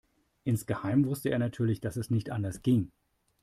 Insgeheim wusste er natürlich, dass es nicht anders ging.